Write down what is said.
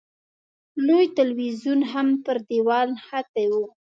لوی تلویزیون هم پر دېوال نښتی و.